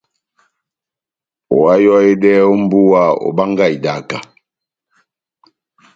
Oháyohedɛhɛ ó mbúwa, obángahi idaha.